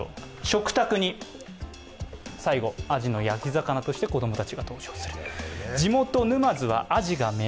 食卓に最後、アジの焼き魚として子供たちが登場する。